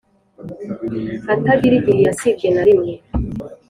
atagira igihe yasibye na rimwe